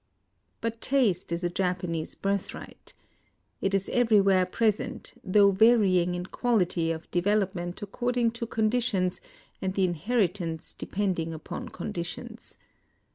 But taste is a Japanese birthright. 176 IN OSAKA It is everywhere present, — thougli varying in quality of development according to conditions and tlie inheritance depending upon condi tions.